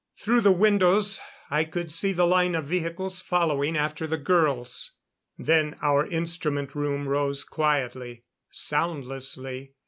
Through the windows I could see the line of vehicles following after the girls. Then our instrument room rose quietly, soundlessly.